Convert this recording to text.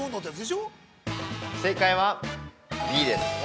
◆正解はＢです。